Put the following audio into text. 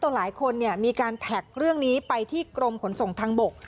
หลายคนมีการแท็กเรื่องนี้ไปที่กรมขนส่งทางบก